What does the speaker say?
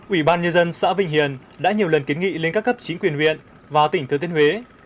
ủy ban nhân dân xã vinh hiền đã nhiều lần kiến nghị lên các cấp chính quyền huyện và tỉnh thừa thiên huế